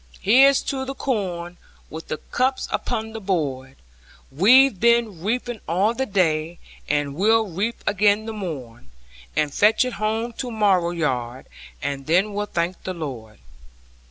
Here's to the corn, with the cups upon the board! We've been reaping all the day, and we'll reap again the morn And fetch it home to mow yard, and then we'll thank the Lord.